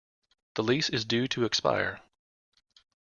The lease is due to expire.